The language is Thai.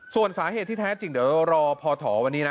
ส่วนสาเหตุที่แท้จริงเดี๋ยวรอพอถอวันนี้นะ